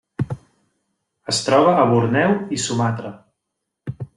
Es troba a Borneo i Sumatra.